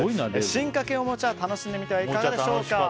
進化形おもちゃを楽しんでみてはいかがでしょうか。